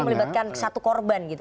itu yang melibatkan satu korban gitu